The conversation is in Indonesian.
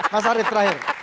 mas arief terakhir